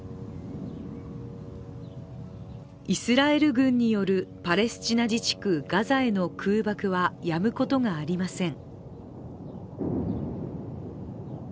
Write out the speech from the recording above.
イスラエル軍によるパレスチナ自治区ガザへの空爆はやむことがありません。